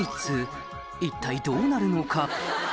一体どうなるのか？